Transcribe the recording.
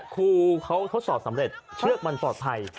ครูเขาทดสอบสำเร็จเชือกมันปลอดภัย